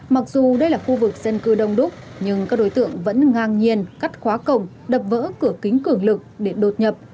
mặc dù đây là khu vực dân cư đông đúc nhưng các đối tượng vẫn ngang nhiên cắt khóa cổng đập vỡ cửa kính cường lực để đột nhập